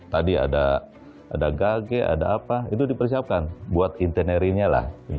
tadi ada gage ada apa itu dipersiapkan buat intinerinya lah